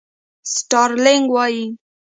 سټارلېنک وایي.